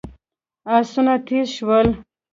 آسونه تېز شول.